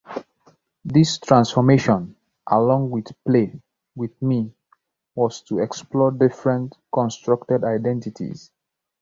This transformation-along with Play With Me-was to explore different constructed identities.